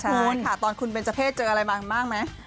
ใช่ค่ะตอนคุณเป็นเจ้าเพศเจออะไรมาบ้างไหม